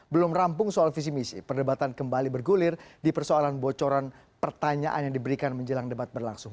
belum rampung soal visi misi perdebatan kembali bergulir di persoalan bocoran pertanyaan yang diberikan menjelang debat berlangsung